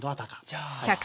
じゃあ。